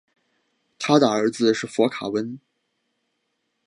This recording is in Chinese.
他的儿子是佛卡温。